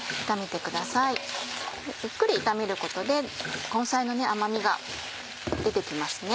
ゆっくり炒めることで根菜の甘みが出て来ます。